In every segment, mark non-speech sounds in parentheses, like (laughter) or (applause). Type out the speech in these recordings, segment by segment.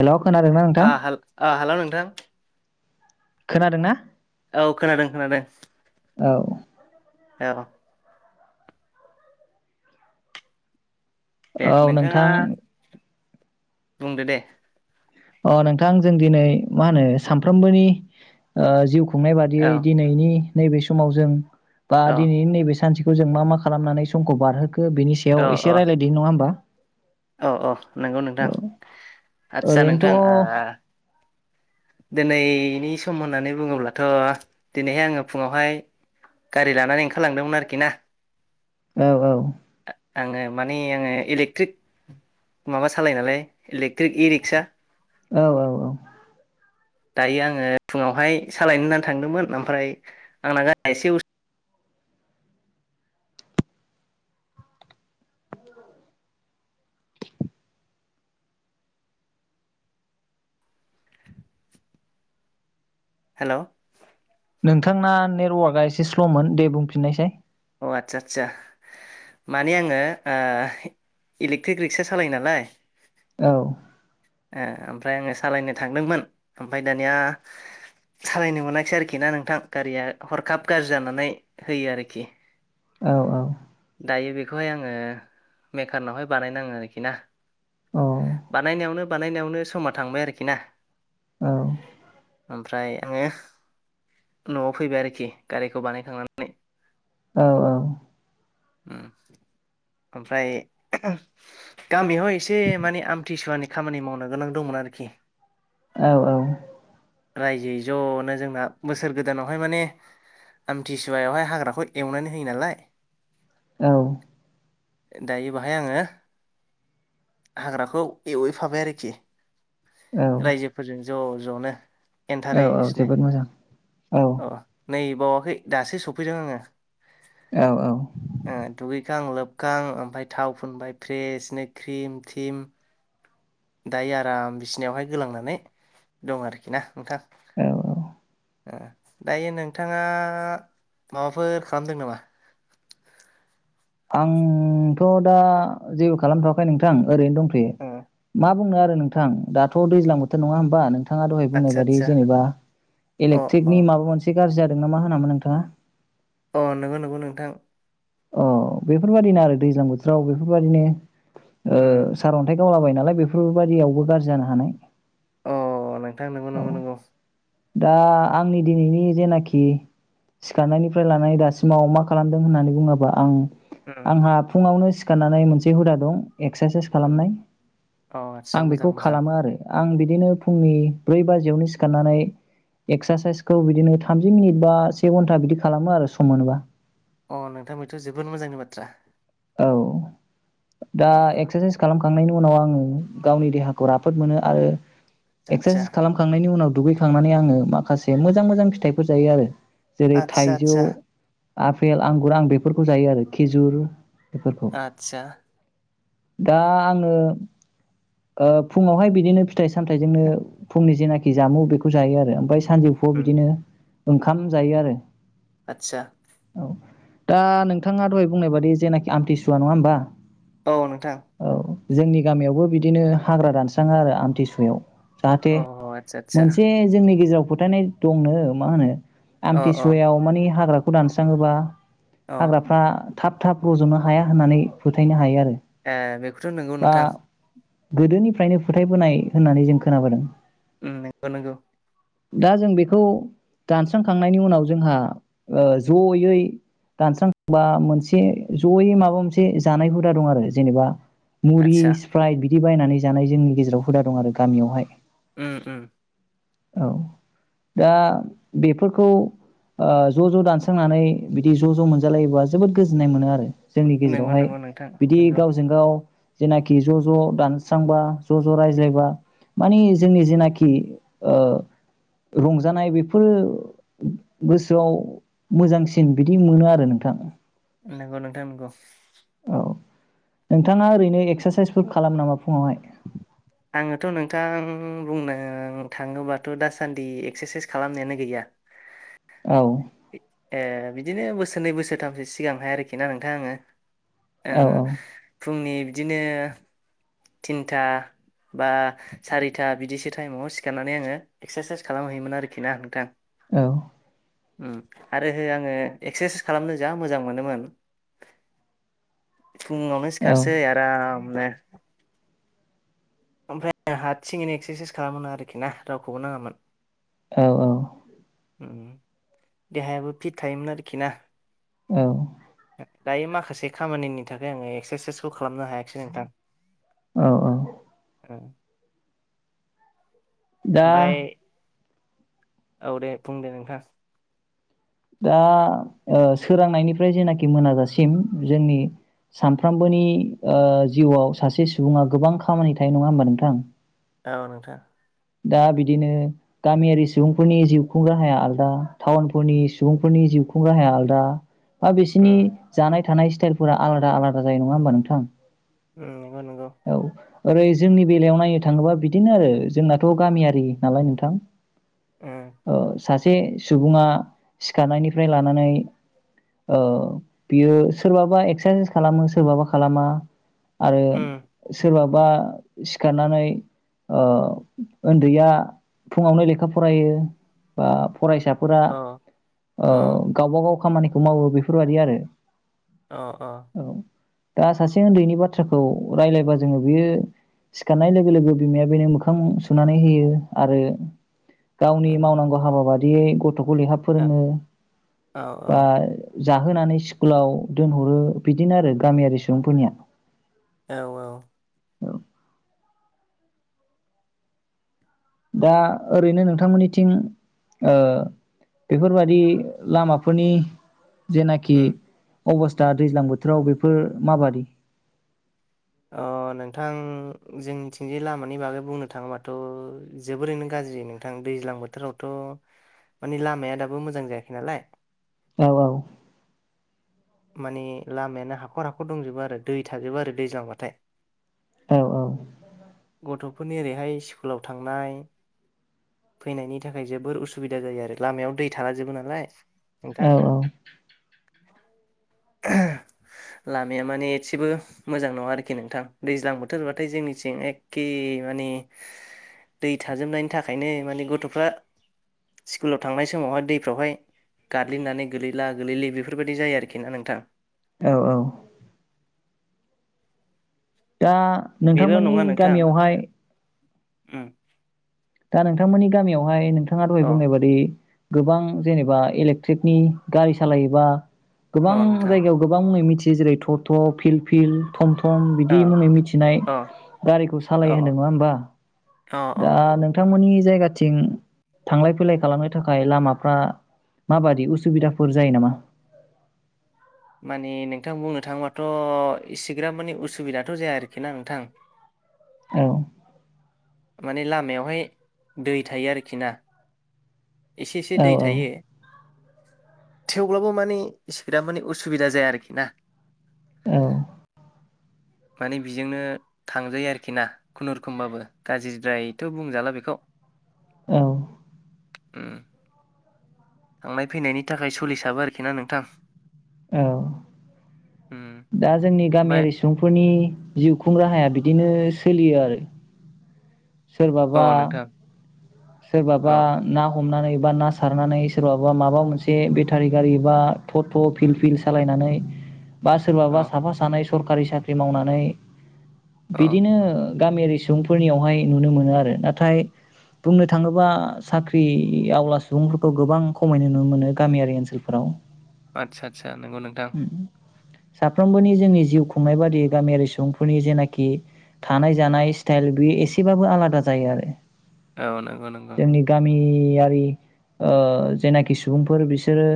Hello खोनादोंना नोंथां? आ हाल हेलौ नोंथां खोनादों ना औ खोनादों खोनादों औ औ दे औ नोंथाङा नोंथां बुंदो दे अ नोंथां जों दिनै मा होनो सानफ्रोमबोनि ओ जिउ खुंनाय बादियै औ दिनैनि नैबे समाव जों बा औ दिनैैनि नैबे सानसे खौ जों मा मा खालामनानै समखौ बारहोख खौ बिनि औ सायाव एसे औ रायज्लायदो नङा होमबा औ औ नंगौ नोंथां औ आदसा नोंथां ओरैनोथ' आ दिनैनि सम होननानै बुङोब्लाथ' दिनैहाय आङो फुङावहाय गारि लानानै ओंखारलांदोंमोन आरोखि ना। औ औ आङो माने आङो इलेक्ट्रिक माबा सालाय नालाय इलेक्ट्रिक इ रिक्सा औ औ औ दायो आङो फुङावहाय सालायनो होननानै थांदोंमोन ओमफ्राय आंना गारिआ एसे उस हेलौ नोंथांना नेटवार्कआ एसे स्ल'मोन दे बुंफिननायसै आदसा आदसा माने आङो ओ इलेक्ट्रिक रिक्सा सालायो नालाय औ ओ ओमफ्राय आङो सालायनो थांदोंमोन ओमफ्राय दानिया सालायनो मोनाखिसै आरोखि ना नोंथां गारिया हरखाब गाज्रि जानानै होयो आरोखि। औ औ दायो बेखौहाय आङो मेकारनावहाय बानायनाङो आरोखि ना। औ बानायनायावनो बानायनायावनो समा थांबाय आरोखि ना औ ओमफ्राय आङो न'आव फैबाय आरोखि गारिखौ बानायखांनानै। औ औ ओम ओमफ्राय गामियाव एसे माने आमथिसुवानि खामानि मावनो गोनां दंमोन आरोखि। औ औ रायजोयै ज'नो जोंना बोसोर गोदानावहाय माने आमथिसुवायावहाय हाग्राखौ एवनानै होयो नालाय। औ दायो बेहाय आङो हाग्राखौ एवैफाबाय आरोखि। रायजोफोरजों ज' ज'नो औ औ एन्थारेसनो जोबोद मोजां औ अ नै बावाखै दासो सफैदों आङो। औ औ थिखां लोबखां ओमफ्राय थाव फुनबाय फ्रेसनो क्रिम-थिम दायो आराम बिस्नायावहाय गोलांनानै दं आरोखि ना। नोंथां औ औ दायो नोंथाङा माबाफोर खालामदों नामा? आंथ' दा जेबो खालामथ'वाखै नोंथां ओरैनो दंथ'यो ओ मा बुंनो आरो। नोंथां दाथ' दैज्लां बोथोर नङा होमबा नों थाङा दहाय बुंनाय आदसा बायदि आदसा जेनेबा अ अ इलेकट्रिकनि माबा मोनसे गाज्रि जादों ना मा होनामोन नोंथाङा? अ नंगौ नंगौ नोंथां। अ बेफोरबायदिनो आरो दैज्लां बोथोराव बेफोरबायदिनो उम औ सार अन्थाइ गावलाबायो नालाय बेफोरबायदियावबो गाज्रि जानो हानाय। औ नोंथां नोंगौ औ नोंगौ नोंगौ। दा आंनि दिनैनि जेनाखि सिखारनायनिफ्राय लानाय दासिमाव मा खालामदों होननानै बुङोबा आं उम आंहा फुङावनो। सिखारनानै मोनसे हुदा दं। एक्सारसाइस उम खालामनाय अ आदसा आं मोजां बेखौ मोजां खालामो आरो। आं बिदिनो फुंनि ब्रै बाजियावनो सिखारनानै एक्सारसाइसखौ बिदिनो थामजि मिनिट बा से घन्टा बिदि खालामो आरो सम मोनोबा। अ नोंथां बेथ' जोबोद मोजांनि बाथ्रा। औ। दा उम उम एक्सारसाइस खालाम- खांनायनि उनाव आङो गावनि देहाखौ राफोद मोनो आरो। आदसा आदसा एक्सारसाइस खालामखांनायनि उनाव। दुगैखांनानै आङो माखासे मोजां मोजां फिथाइफोर जायो आरो। जेरै आतसा थाइजौ, आतसा आफेल, आंगुर आं बेफोरखौ जायो आरो खिजुर। बेफोरखौ आतसा। दा आङो ओ फुङावहाय बिदिनो फिथाइ-सामथाइजोंनो फुंनि जेना- खि जामु बेखौ जायो आरो ओमफ्राय सानजौफुआव उम बिदिनो ओंखाम जायो आरो। आतसा। औ दा नोंथाङा दहाय बुंनाय बादि जेनाखि। आमथि सुवा नङा होमबा? औ नोंथां औ जोंनि गामियावबो बिदिनो हाग्रा दानस्राङा आरो आमथिसुवायाव जाहाथे अ आतसा आतसा मोनसे जोंनि गेजेराव फोथायनाय दंनो मा होनो अ अ आमथिसुवायाव मानि हाग्रा खौ दानस्राङोबा अ हाग्राफ्रा थाब थाब रज'नो हाया होननानै फोथायनो हायो आरो ए बेखौथ' नोंगौ बा नोंथां। गोदोनिफ्रायनो फोथायबोनाय होननानै जों खोनाबोदों। उ नोंगौ नोंगौ। दा जों बेखौ दानस्रांखांनायनि उनाव जोंहा ओ जयै दानस्रांबा मोनसे जयै माबा मोनसे जानाय हुदा दं आरो जेनेबा मुरि आतसा सिप्राइ बि बिदि बायनानै जानाय जोंनि गेजेराव हुदा दं आरो गामियावहाय। उ उ। औ दा बेफोरखौ आ ज' ज' दानस्रांनानै बिदि ज' ज' मोनजालायोबा जोबोद गोजोननाय मोनो आरो जोंनि नंगौ गेजेरावहाय नंगौ नोंथां बिदि नंगौ गावजों गाव जेनाखि ज' ज' दानस्रांबा ज' ज' रायज्लायबा मानिे जोंनि जेनाखि ओ रंजानाय बेफोरो गोसोआव मोजांसिन बिदि मोनो आरो नोंथां। नोंगौ नोंथां नोंग'। अ नोंथाङा ओरैनो एक्सारसाइसफोर खालाम नामा फुङावहाय? आङोथ' नोंथां बुंनो थाङोबाथ' दासान्दि एक्सारसाइस खालामनायानो गैया। औ। ए बिदिनो बोसोरनै बोसोरथामसो सिगांहाय आरोखि ना नोंथां आङो। ओ औ फुंनि बिदिनो थिनथा बा सारिथा बिदिसो टाइमाव सिखारनानै आङो एक्सारसाइस खालामहैयोमोन आरोखि ना नोंथां। औ। उ आरो हो आङो एक्सारसाइस खालामनो जा मोजां मोनोमोन फुङावनो सिखारसै आराम (unintelligible) ओमफ्राय आं हासिङैनो एक्सारसाइस खालामो आरोखि ना रावखौबो नाङामोन। औ औ। देहायाबो फिट थायोमोन आरोखि ना औ। दायो माखासे खामानिनि थाखाय आङो एक्सारसाइसखौ खालामनो हायाखसै नोंथां। औ औ। ओ। दा औ दे बुं दे नोंथां दा ओ सोरांनायनि फ्राय जेनोखि मोनाजासिम जोंनि सानफ्रोमबोनि ओ जिउआव सासे सुबुङा गोबां खामानि थायो नङा होमबा नोंथां औ नोंथां दा बिदिनो गामियारि सुबुंफोरनि जिउ खुं राहाया आलदा टाउनफोरनि सुबुंफोरनि जिउ खुं राहाया आलदा बा बिसिनि उम जानाय थानाय स्टाइलफोरा आलादा आलादा जायो नङा होमबा नोंथां ओ‌ माबा नांगौ औ ओरै जोंनि बेलायाव नायनो थाङोबा बिदिनो आरो जोंनाथ' गामियारि नालाय नोंथां ओ सासे सुबुङा सिखारनायनिफ्राय लानानै ओ बियो सोरबाबा एक्सारसाइस खालामो सोरबाबा खालामा आरो उम सोरबा बा सिखारनानै ओ ओन्दैया फुङावनो लेखा फरायो बा फरायसाफोरा अ ओ अ गावबा गा व खामानिखौ मावो बेफोरबायदि आरो अ अ औ दा सासे ओन्दैनि बाथ्राखौ राय्लायबा जोङो बियो सिखारनाय लोगो लोगो बिमाया बेनो मोखां सुनानै होयो आरो गावनि उम मावनांगौ हाबा बादि बे गथ'खौ ले औ फोरोङो औ बा जाहोनानै स्कुलाव दोनहरो बिदिनो आरो गामियारि सुबुंफोरनिया औ औ दा ओरैनो नोंथांमोननिथिं ओ बेफोरबादि लामाफोरनि जेनाखि उम अबस्था दैज्लां बोथोराव बेफोर माबादि अ नोंथां जोंनिथििंजाय लामानि बागै बुंनो थाङोबाथ' जोबोरैनो गाज्रि नोंथां दैज्लां बोथोरावथ' माने लामाया दाबो मोजां जायाखै नालाय औ औ माने लामायानो हाखर हाखर दंजोबो आरो दै थाजोबो आरो दैज्लांबाथाय औ औ फोरनि ओरैहाय स्कुलाव थांनाय फैनायनि थाखाय जोबोर उसुबिदा जायो आरो लामायाव दै थाला जोबो नालाय नोंथां औ औ लामाया माने एसेबो मोजां नङा आरोखि नोंथां दैज्लां बोथोरबाथाय जोंनिथिं एखे माने दै थाजोबनायनि थाखायनो माने गथ'फ्रा स्कुलाव थांनाय समावहाय दैफ्रावहाय गादल्देननानै गोलैला गोलैलि बेफोरबायदि जायो आरोख खिना नोंथां औ औ दा बेल' नोंथांमोननि नङा नोंथां गामियावहाय उम दा नोंथांमोननि गामियावहाय नों नोंथाङा दहाय अ बुंनाय बादि गोबां जेनेबा इलेक्ट्रिकनि गारि सालायोबा गोबां अ नोंथां जायगायाव गोबां मुङै मिथि जेरै ट' ट' फिल फिल थम थम अ बिदि मै मिथिनाय अ गारिखौ अ सालाय होनदों नङा होमबा अ अ दा नोंथांमोननि जायगाथिं थांलाय फैलाय खालामनो थाखाय लामाफ्रा माबादि उसुबिदाफोर जायो नामा माने नोंथां बुंनो थाङोबाथ' इसेग्राब माने उसुबिदाथ' जाया आरोखि ना नोंथां औ माने लामायावहाय दै थायो आरोखि ना एसे एसे औ दै थायो थेवब्लाबो माने इसेग्राब माने उसुबिदा जाया आरोखि ना औ माने बिजोंनो थांजायो आरोखि ना खुनुरुखुमबाबो गाज्रिद्रायथ' बुंजाला बेखौ औ उम थांनाय फैनायनि थाखाय सुलिसाबो आरोखि ना नोंथां औ उम दा जोंनि ओमफ्राय गामियारि सुबुंफोरनि जिउ खुं राहाया बिदिनो सोलियो आरो औ सोरबाबा नोंथां अ सोरबाबा ना हमनानै बा ना सारनानै सोरबाबा माबा मोनसे बेटारि गारि बा ट'ट' फिल फिल सालायनानै बा अ सोरबा साफा सानै सरखारि साख्रि मावनानै अ बिदिनो गामियारि सुबुंफोरनियावहाय नुनो मोनो आरो नाथाय बुंनो थाङोबा साख्रि आवला सुबुंफोरखौ गोबां खमैनो नुनो मोनो गामियारि ओनसोलफोराव आदसा आदसा नंगौ नोंथां साफ्रोमबोनि जोंनि जिउ खुंनाय बादि गामियारि सुबुंफोरनि जेनाखि थानाय जानाय स्टाइल बे एसेबाबो आलादा जायो आरो औ नंगौ नंगौ जोंनि गामियारि ओ जायनाखि सुबुंफोर बिसोरो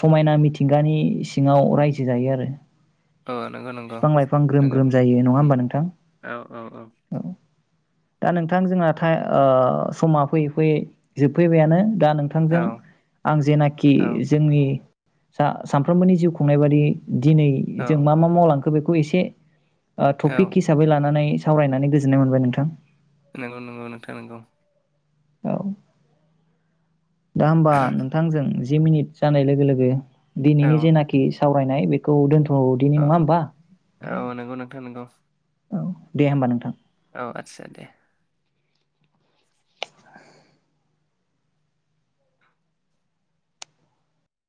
समायना मिथिंगानि सिङाव रायजो जायो आरो। औ नंगौ नंगौ बिफां लाइफां ग्रोम नंगौ ग्रोम जायो नङा होमबा नोंथां औ औ औ। दा नोंथां जोंना था ओ। समा फैयै फैयै जोबफैबायानो। दा औ नोंथांजों आं जेनाखि जोंनि। सा सानफ्रोमबोनि जिउ खुंनाय बादि। दिनै औ जों मा मा मावलां। बेखौ एसे। ओ टपिक औ हिसाबै लानानै। सावरायनानै गोजोननाय मोनबाय नोंथां। नंगौ नंगौ नोंथा नोंगौ। औ। दा होमबा नोंथांजों जि मिनिट जानाय लोगो लोगो औ दिनैनि जे नाखि सावरायनाय बेखौ दोनथ दिनि औ नङा होमबा। औ नंगौ नोंथां नोंगौ। औ दे होमबा नोंथां। औ आतसा दे।